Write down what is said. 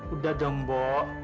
udah dong mbok